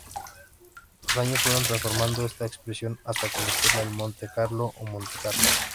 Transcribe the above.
Los años fueron transformando esta expresión hasta convertirla en Monte Carlo o Montecarlo.